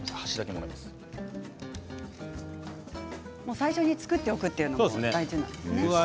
最初に作っておくのが大事なんですね。